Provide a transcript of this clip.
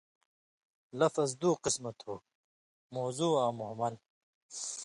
لفظ دُو قِسمہ تُھو مؤضوع آں مُہمل